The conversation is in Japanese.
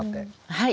はい。